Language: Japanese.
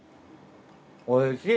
おいしい。